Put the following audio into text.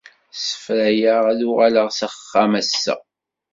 Ssefrayeɣ ad uɣaleɣ s axxam ass-a.